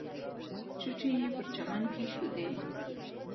چوټې یې پر چمن کېښودې.